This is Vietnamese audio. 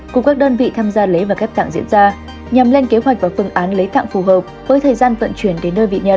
của các đơn vị tham gia lấy và ghép tặng diễn ra nhằm lên kế hoạch và phương án lấy tặng phù hợp với thời gian vận chuyển đến nơi bị nhận